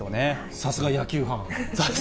さすが野球ファン。